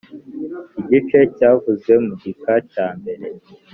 igice cyavuzwe mu gika cya mbere